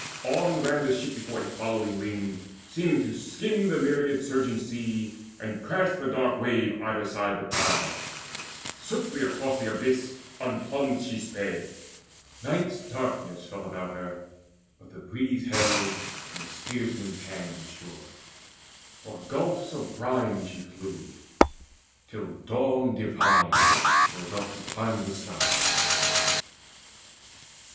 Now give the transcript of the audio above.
On ran the ship before a following wind, Seeming to skim the myriad surging sea, And crashed the dark wave either side the prow: Swiftly across the abyss unplumbed she sped. Night's darkness fell about her, but the breeze Held, and the steersman's hand was sure. O'er gulfs Of brine she flew, till Dawn divine rose up To climb the sky.